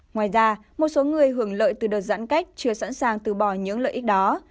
ngoài ra một số người hưởng lợi từ đợt giãn cách chưa sẵn sàng từ bỏ những lợi ích đó